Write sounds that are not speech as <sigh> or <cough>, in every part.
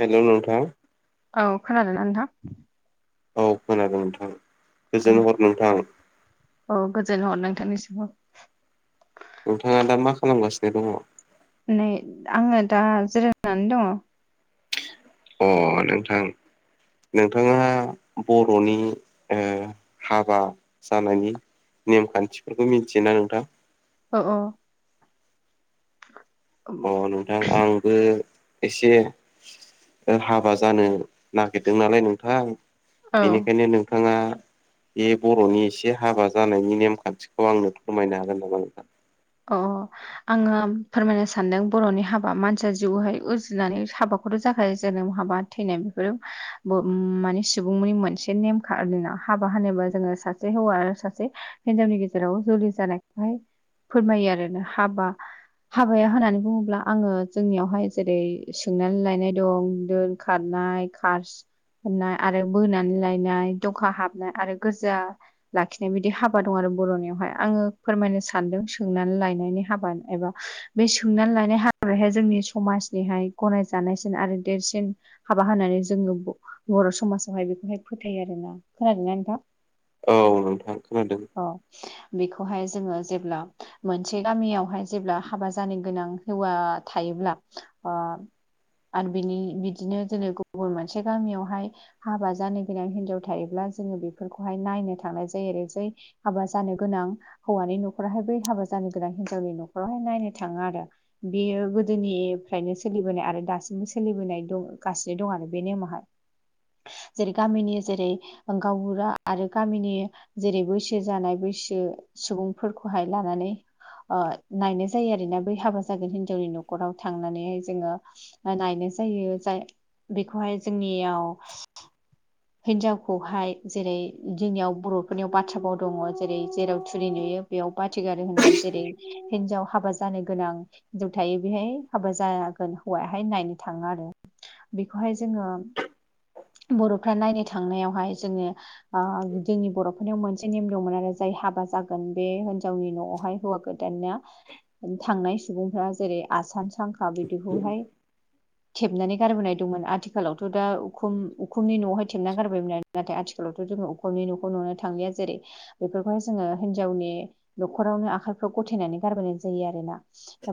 Hello नोंथां औ खोनादों ना नोंथां। औ खोनादों नोंथां गोजोन औ हर नोंथां। औ गोजोनहर नोंथांनिसिमबो नोंथाङा दा मा खालामगासिनो दङ? नै आङो दा जिरायनानै दङ। अ नोंथां नोंथाङा बर'नि हाबा जानायनि नेमखान्थिफोरखौ मिथियोना नोंथां? अ अ औ <unintelligible> नोंथां आंबो एसे ओ हाबा जानो नागिरदों नालाय नोंथां औ बेनिखायनो नोंथाङा बे बर'नि एसे हाबा जानायनि नेमखान्थिखौ आंनो फोरमायनो हागोन नामा नोंथां? अ आङो फोरमायनो सानदों बर'नि हाबा मानसिया जिउहाय उजिनानै हाबाखौथ' जाखायो जोनोम हाबा थैनाय बेफोर ओम-माने सुबुंनि मोनसे नेम खा हाबा होनोबा जोङो सासे हौवा सासे हिनजावनि गेजेराव जुलि जानायखौहाय फोरमायो आरो ना हाबा हाबाया होननानै बुङोब्ला आङो जोंनियावहाय जेरै सोंनानै लायनाय दं, दोन खारनाय खार सननाय आरो बोनानै लायनाय दखा हाबनाय आरो गोरजिया लाखिनाय बिदि हाबा दं आरो बर'नियावहाय आङो फोरमायनो सानदों सोंनानै लायनायनि हाबा एबा बे सोंनानै लानाय हाबाय जोंनि समाजनिहाय गनायजानायसिन आरो देरसिन हाबा होनानानै जोङो बर' समाजावहाय बेखौहाय फोथायो आरोना खोनादोंना नोंथा। औ नोंथां खोनादों अ बेखौहाय जोङो जेब्ला मोनसे गामियावहाय जेब्ला हाबा जानो गोनां हौवा थायोब्ला ओ आरो बिनि बिदिनो जोरै गुबुन मोनसे गामियावहाय हाबा जानो गोनां हिनजाव थायोब्ला जोङो बेफोरखौहाय नायनो थांनाय जायो आरो जै हाबा जानो गोनां हौवानि न'खरावहाय बै हाबा जानो गोनां हिनजावनि न'खरावहाय नायनो थाङो आरो। बियो गोदोनिफ्रायनो सोलिबोनाय आरो दासिमबो सोलिबोनाय दं गासिनो दं आरो बे नेमावहाय। <inaudible> जेरै गामिनि जेरै गावबुरा आरो गामिनि जेरै बै सो जानाय बैसो सुबुंफोरखौहाय लानानै ओ नायनाय जायो आरोना बै हाबा जागोन हिनजावनि न'खराव थांनानैहाय जोङो नायनाय जायो जाय बेखौहाय जोंनियाव हिनजावखौहाय जेरै जोंनियाव बर'फोरनियाव बाथ्रा फाव दङ जेरै जेराव थुरि नुयो बेयाव बाथि गारो होननाय जेरै हिन्जाव हाबा जानो गोनां हिनजाव थायो बेहाय हाबा जागोन हौवायाहाय नायनो थाङो आरो। बेखौहाय जोङो बर'फ्रा नायनो थांनायावहाय जोङो ओ जोंनि बर'फोरनियाव मोनसे नेम दंमोन आरो जाय हाबा जागोन बे हिनजावनि न'आवहाय हौवा गो दानिया थांनाय सुबुंफोरा जेरै आसान सांखा बिदिखौहाय थेबनानै गारबोनाय दंमोन आथिखालावथ' दा उखुम उखुमनि न आवहाय थेबना गारबायमोन आरो नाथाय आथिखालावथ' जों उखुमनि न'खौ नुनो थांलिया जेरै स बेफोरखौहाय जोङो हिनजावनि न'खरावनो आखाइफ्राव गथायनानै गारबोनाय जायो आरोना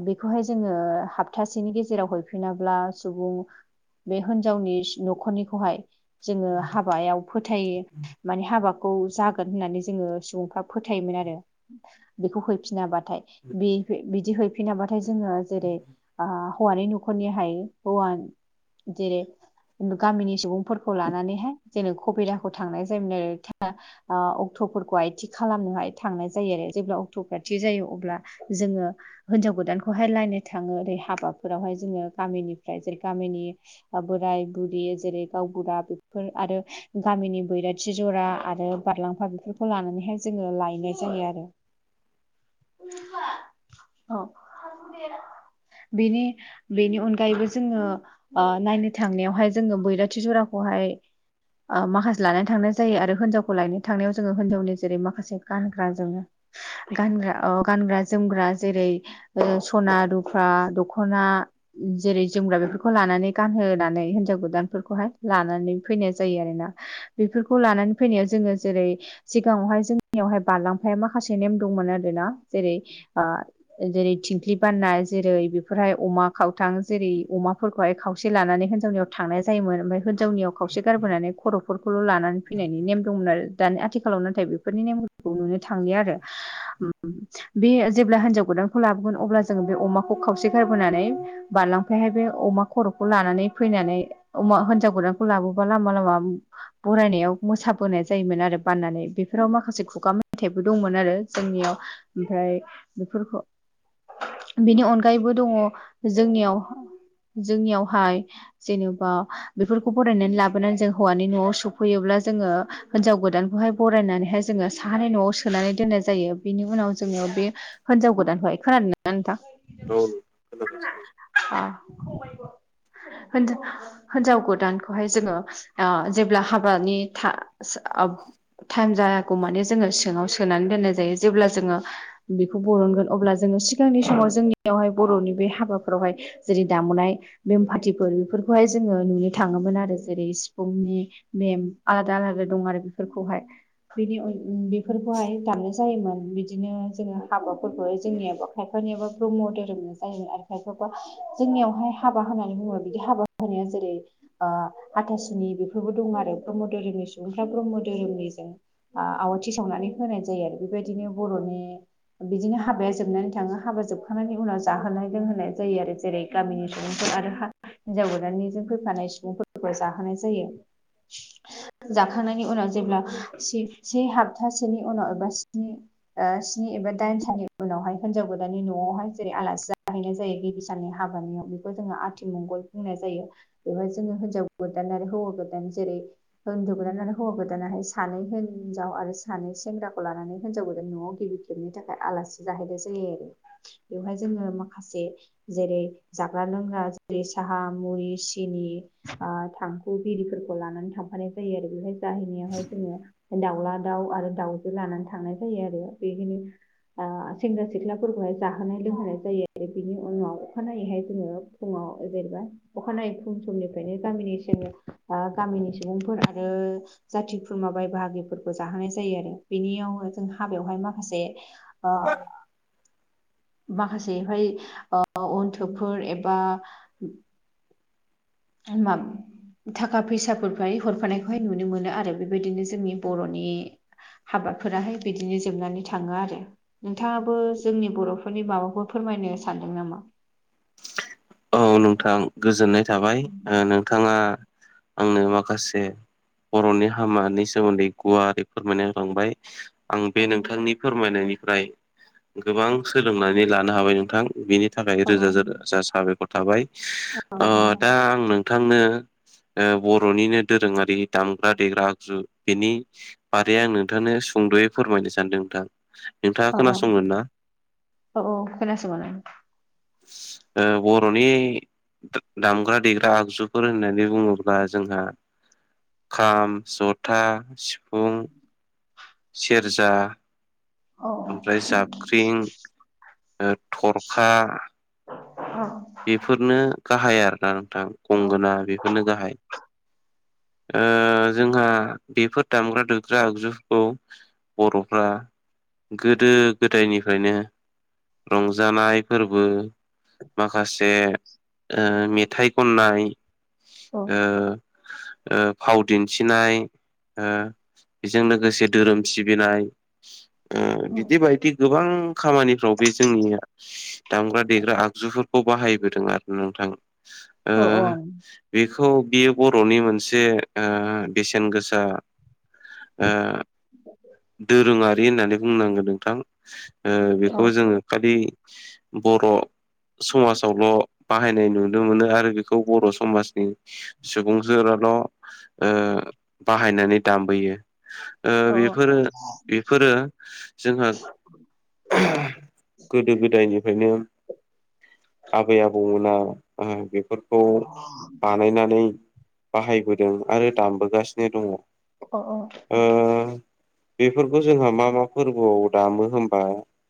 बेखौहाय जोङो हप्तासेनि गेजेराव हैफिनाब्ला सुबुं बे हिनजावनि न'खरनिखौहाय जोङो हाबायाव फोथायो माने हाबा खौ जागोन होननानै जोङो सुबुंफ्रा फोथायोमोन आरो बेखौ हैफिनाबाथाय बे बिदि हैफिनाबाथाय जोङो जेरै आ हौवानि न'खरनिहाय हौवाजेरै गामिनि सुबुंफोरखौ खौ लानानैहाय जेनो कबिराखौ थांनाय जायोमोन आरो अक्ट'फोरखौहाय थि खालामनोहाय थांनाय जायो आरो जेब्ला अक्ट'फोरा थि जायो अब्ला जोङो हिनजाव गोदानखौहाय लायनो थाङो ओरै हाबाफोरावहाय जोङो गामिनिफ्राय जै गामिनि बोराय बुरि जेरै गावबुरा बेफोर आरो गामिनि बैराथि जरा आरो बारलांफा बेफोरखौ लानानैहाय जोङो लायनाय जायो आरो <inaudible> अ बेनि बेनि अनगायैबो जोङो नायनो थांनायावहाय जोङो बैरथि जरा बेहाय माखासे लानानै थांनाय जायो आरो हिनजावखौ लायनो थांनायाव जोङो हिनजावनि जेरै माखासे गानग्रा जोंङो गानग्रा अ गानग्रा जोमग्रा जेरै सना रुफ्रा दख'ना जेरै जोमग्रा बेफोरखौ लानानै गानहोनानै हिनजाव गोदानफोरखौहाय लानानै फैनाय जायो आरोना बेफोरखौ लानानै फैनायाव जोङो जेरै सिगाङावहाय जोंनियावहाय बारलांफाया माखासे नेम दंमोन आरोना जेरै जेरै थिंख्लि बाननाय जेरै बेफोरहाय अमा खावथां जेरै अमाफोरखौहाय खावसे लानानै हिनजावनियाव थांनाय जायोमोन ओमफ्राय हिनजावनियाव खावसे गारबोनानै खर'फोरखौल' लानानै फैनायनि नेम दंमोन आरो दानि आथिखालाव नाथाय बेफोरनि नेम नुनो थांलि आरो बे जेब्ला हिनजाव गोदानखौ लाबोगोन अब्ला जों बे अमाखौ खावसे गारबोनानै बारलांफाहाय बे अमा खर'खौ लानानै फैनानै अ हिनजाव गोदानखौ लाबोबला लामा लामा बरायनायाव मोसाबोनाय जायोमोन आरो बाननानै बेफोराव माखासे खुगा मेथाइबो दंमोन आरो जोंनियाव ओमफ्राय बेफोरखौ बिनि अनगायैबो दङ जोंनियाव जोंनियावहाय जेनेबा बेफोरखौ बरायनानै लाबोनानै जों हौवानि न'आव सफैयोब्ला जोङो हिनजाव गोदानखौहाय बरायनानैहाय जोङो साहानि न'आव सोनानै दोननाय जायो बिनि उनाव जोङो बे हिनजाव गोदानखौहाय खोनादोंना नोंथां औ नोंथां खोनागासिनो <unintelligible> हिन्जाव गोदानखौहाय ओ जोङो जेब्ला हाबानि टाइम जायागौ माने जोङो सिङाव सोनानै दोननाय जायो जेब्ला जोङो बेखौ बरनगोन अब्ला जोङो सिगांनि समाव जोंनियावहाय बर'नि बे हाबाफोरावहाय जेरै दामुनाय बेम फाटिफोर बेफोरखौहाय जोङो नुनो थाङोमोन आरो जेरै सिफुंनि मेम आलादा आलादा दं आरो बेफोरखौहाय बिनि बेफोरखौहाय दामनाय जायोमोन बिदिनो जोङो हाबाफोरबो जोंनियाव खायफानियाबा ब्रह्म धोरोमनो जायोमोन आरो खायफाबा जोंनियावहाय हाबा होननानै बुङोबो बिदि हाबा <unintelligible> हाथासुनि बेफोरबो दं आरो ब्रह्म धोरोमनि सुबुंफ्रा ब्रह्म धोरोमनिजों आवाथि सावनानै होनाय जायो आरो बेबायदिनो बर'नि बिदिनो हाबाया जोबनानै थाङो हाबा जोबखांनायनि उनाव जाहोनाय लोंहोनाय जायो आरो जेरै गामिनि सुबुंफोर आरो हा हिन्जाव गोदाननिजों फैफानाय सुबुंफोरखौ जाहोनाय जायो जाखांनायनि उनाव जेब्ला से हप्थासेनि उनाव एबा स्नि ओ स्नि एबा दाइन साननि उनावहाय हिनजाव गोदाननि न'आवहाय जेरै आलासि जाहैनाय जायो गिबि साननि हाबानियाव बेखौ जोङो आथिमंगल बुंनाय जायो बेवहाय जोङो हिनजाव गोदान आरो हौवा गोदान जेरै हिन्जाव गोदान आरो हौवा गोदानाहाय सानै हिनजाव आरो सानै सेंग्राखौ लानानै हिनजाव गोदान न'आव गिबि गिबि बेनि थाखाय आलासि जाहैनाय जायो आरो बेवहाय जोङो माखासे जेरै जाग्रा लोंग्रा जेरै साहा मुरि सिनि थांखु ओ बिरिफोरखौ लानानै थांफानाय जायो आरो बेहाय जाहैनायावहाय जोङो दाउला दाउ आरो दाउजो लानानै थांनाय जायो आरो बेखिनो ओ सेंग्रा सिख्लाफोरखौहाय जाहोनाय लोंहोनाय जायो बिनि उनाव अखानायैहाय जोङो फुङाव जेनैबा अखानायै फुं समनिफ्रायनो गामिनि गामिनि सुबुंफोर आरो जाथि खुरमा बाय बाहागिफोरखौ जाहोनाय जायो आरो बेनियावनो जों हाबायावहाय माखासे ओ माखासेहाय अन्थोबफोर एबा <unintelligible> थाखा फैसाफोराय हरफानायखौहाय नुनो मोनो आरो बेबायदिनो जोंनि बर'नि हाबाफोराहाय बिदिनो जोबनानै थाङो आरो नोंथाङाबो जोंनि बर'फोरनि माबाखौ फोरमायनो सानदों नामा औ नोंथां गोजोननाय थाबाय ओ नोंथाङा आंनो माखासे बर'नि हामानि सोमोन्दै गुवारै फोरमायना लांबाय आं बे औ नोंथांनि फोरमायनायनिफ्राय गोबां सोलोंनानै लानो हाबाय नोंथां बेनि थाखाय औ रोजा रोजा साबायखर थाबाय औ ओ नोंथां दा आं नोंथांनो बर'निनो दोरोङारि दामग्रा देग्रा आगजु बेनि बारै आं नोंथांनो सुंद'यै फोरमायनो सानदों नोंथां नोंथाङा औ औ खोनासंगोन ना औ औ खोनासंगोन ओ बर'नि दामग्रा देग्रा आगजुफोर होननानै बुङोब्ला जोंहा खाम जथा सिफुं सेरजा औ ओमफ्राय जाब जाबख्रिं ओ थरखा औ बेफोरनो गाहाय आरोना नोंथां औ गंगोना बे होननो गाहाय ओ जोंहा बेफोर दामग्रा दुग्रा आगजु खौ बर'फ्रा गोदो गोदायनिफ्रायनो रंजानाय फोरबो माखासे ओ मेथाइ खननाय औ ओ ओ फाव दिन्थिनाय ओ बेजोंनो लोगोसे धोरोम सिबिनाय ओ बिदि बायदि गोबां खामानिफ्राव बे जोंनिया दामग्रा देग्रा आगजुफोर खौ बाहायबोदों आरो नोंथां ओ औ बेखौ बियो बर'नि मोनसे ओ बेसेन गोसा ओ दोरोङारि होननानै बुंनांगोन नोंथां ओ औ बेखौ जोङो खालि बर' समाजावल' बाहायनाय नुनो मोनो आरो बेखौ बर समाजनि सुबुंफोजोल' ओ बाहायनानै दामबोयो ओ बेफोरो बेफोरो जोंहो गोदो गोदायनिफ्रायनो आबै आबौमोना ओ बे फोरखौ बानायनानै बाहायबोदों आरो दामबोगासिनो दङ। अ अ। ओ बेफोरखौ जोंहा मा मा फोरबोआव दामो होनबा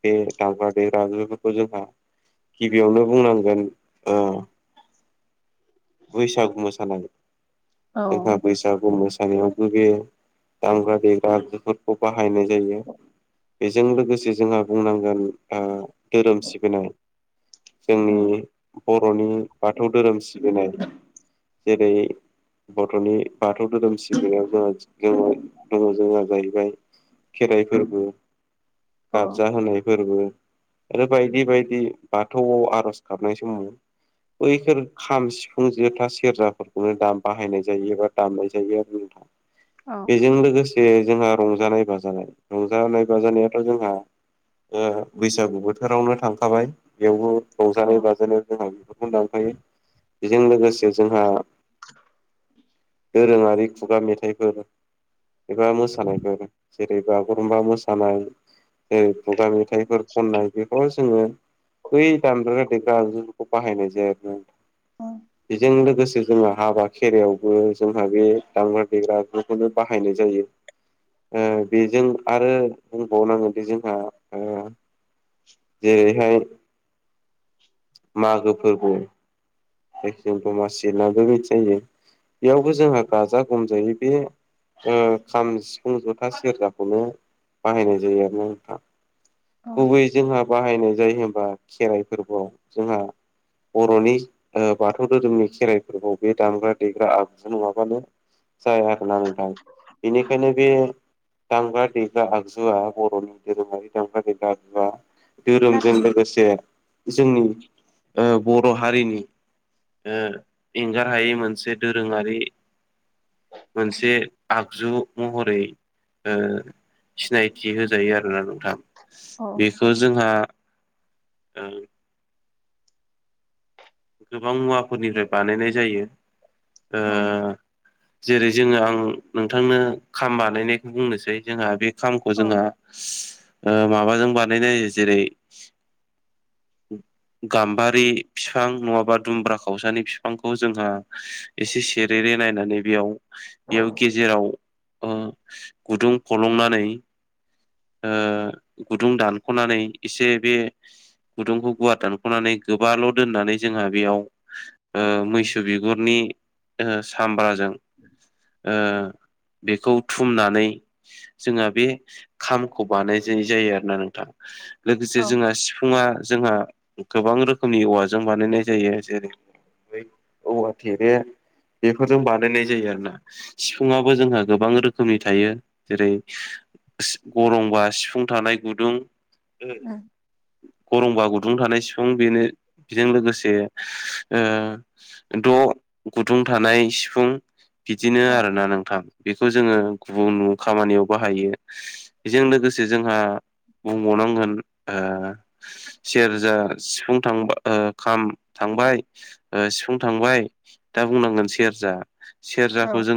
बे दामग्रा देग्राफोरखौ जोंहा गिबियावनो बुंनांगोन ओ <inaudible> बैसागु मोसानाय औ जोंहा बैसागु मोसानायावबो बेे दामग्रा देग्रा बेफोरखौ बाहायनाय जायो। बेजों लोगोसे जोंहा बुंनांगोन धोरोम ओ सिबिनाय जोंनि बर'नि बाथौ धोरोम सिबिनाय जेरै बर'नि बाथौ धोरोम सिबिनायाव जोङो जोङो दङ जोहा जाहैबाय खेराइ फोरबो गारजा होनाय फोरबो आरो बायदि बायदि बाथौआव आरज गाबनाय समाव बैफोर खाम सिफ सिफुं जथा सेरजाफोरखौनो दाम बाहायनाय जायो एबा दामनाय जायो आरो नोंथां औ खोनादों बेजों लोगोसे जोंहा रंजानाय बाजानाय रंजानाय बाजानायाथ' जोंहा बैसागु बोथोरावनो थांखाबाय बेवबो रंजानाय बाजानायाव जोंहा बेफोरखौ लांफायो बेजों लोगोसे जोंहा दोरोङारि खुगा मेथाइफोर एबा मोसानायफोर जेरै बागुरुमबा मोसानाय जेरै खुगा मि मेथाइफोर खननाय बेफोराव जोङो बै दामग्रा देग्रा आगजुफोरखौ बाहायनाय जाया आरो औ बेजों लोगोसे जोंहा हाबा खेरायावबो जोंहा बे दामग्रा देग्राखौ बेखौबो बाहायनाय जायो। ओ बेजों आरो बुंबावनांगोनदि जोंहा ओ जेरैहाय मागो फोरबो जायखै दमासि होननाबो मिथिनाय जायो बेयावबो जोंहा गाजा गोमजायै बे ओ खाम सिफुं जथा सेरजाखौनो बाहायनाय जायो आरो ना नोंथां गुबैयै जोंहा बाहायनाय जायो होनबा खेराइ फोरबोआव जोंहा बर'नि ओ बाथौ धोरोमनि खेराइ फोरबो बे दामग्रा देग्रा आगुु नङाबाबो जाया आरोना नोंथायां बेनिखायनो बे दामग्रा देग्रा आगजुआ बर'नि धोरोमारि दामग्रा देग्रा आगजुआ औ धोरोमजों लोगोसे जोंनि ओ बर' हारिनि ओ एंगार हायै मोनसे दोरोङारि मोनसे आगजु महरै ओ सिनायथि होजायो आरोना नोंथां बेखौ जोंहा ओ गोबां मुवाफोरनिफ्राय बानायनाय जायो ओ जेरै जोङो आं नोंथांनो खाम बानायनायखौ बुंनोसै जोंहा बे खामखौ जोंहा माबाजों बानायनाय जायो जेरै गाम्बारि बिफां नङाबा दुम्ब्रा खावसानि बिफांखौ जोंहा एसे सेरेरे नायनानै बेयाव बेयाव गेजेराव। ओ गुदुं फलंनानै ओ गुदुं दानख'नानै एसे बे गुदुंखौ गुवार दानख'नानै गोबाल' दोननानै जोंहा बेयाव ओ मैसो बिगुरनि सामब्राजों ओ बेखौ थुमनानै जोंङो बे खामखौ बानायनाय जायो आरोना नोंथां औ लोगोसे औ जोंहा सि सिफुङा जोंहा गोबां रोखोमनि औवाजों बानायनाय जायो जेरै बे औवा थेरे बेफोरजों बानायनाय जायो आरो ना। सिफुंआो जोंहा गोबां रोखोमनि थायो जेरै गरमबा सिफुं थानाय गुदुं ओ उम गरमबा गुदुं थानाय सिफुं बेनो बेजों लोगोसे ओ <unintelligible> गुदुं थानाय सिफुं बिदिनो औ आरोना नोंथां बेखौ जोङो गुबुन खामानियाव बाहायो। बेजों लोगोसे जोंहा बुंबावनांगोन ओ सेरजा सिफुं थांबा ओ खाम थांबाय। ओ सिफुं थांबाय दा बुंनांगोन सेरजा औ सेरजाखौ जोंहा